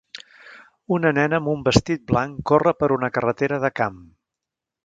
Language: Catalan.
Una nena amb un vestit blanc corre per una carretera de camp.